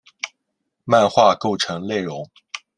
漫画构成内容。